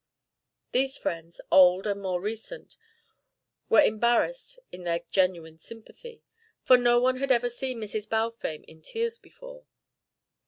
These friends, old and more recent, were embarrassed in their genuine sympathy, for no one had ever seen Mrs. Balfame in tears before.